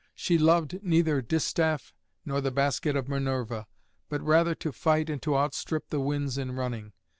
She loved neither distaff nor the basket of Minerva, but rather to fight and to outstrip the winds in running.